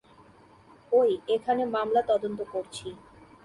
ওই, এখানে মামলা তদন্ত করছি!